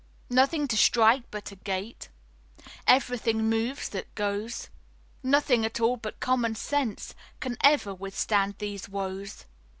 Nothing to strike but a gait; Everything moves that goes. Nothing at all but common sense Can ever withstand these woes.